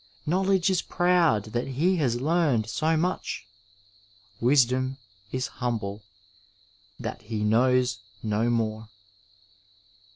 Knowledge is proud that he has learned so mvch ; Wisdom is humble that he knows no more.